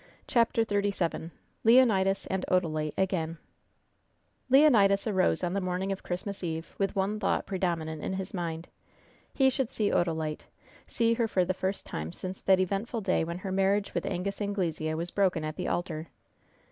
CHAPTER XXXVII LEONIDAS AND ODALITE AGAIN Leonidas arose on the morning of Christmas Eve with one thought predominant in his mind: He should see Odalite see her for the first time since that eventful day when her marriage with Angus Anglesea was broken at the altar.